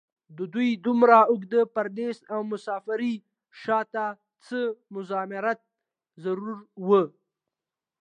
د دوي دومره اوږد پرديس او مسافرۍ شا ته څۀ مضمرات ضرور وو